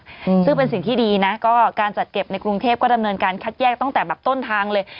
อืมซึ่งเป็นสิ่งที่ดีนะก็การจัดเก็บในกรุงเทพก็ดำเนินการคัดแยกตั้งแต่แบบต้นทางเลย